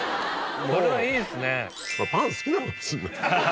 これはいいっすね。